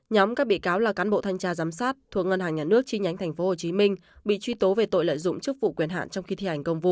nhóm các bị cáo là cán bộ thanh tra giám sát thuộc ngân hàng nhà nước chi nhánh tp hcm bị truy tố về tội lợi dụng chức vụ quyền hạn trong khi thi hành công vụ